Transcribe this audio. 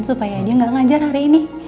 supaya dia nggak ngajar hari ini